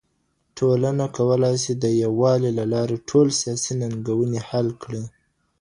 ټولنه کولای سي د يووالي له لاري ټولې سياسي ننګونې حل کړي.